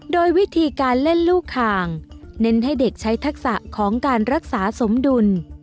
โดยวิธีการเล่นลูกคางเน้นให้เด็กใช้ทักษะของการรักษาสมดุล